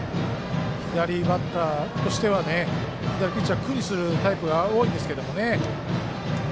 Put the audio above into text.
左バッターとしてはピッチャーを苦にするタイプが多いんですけどもね。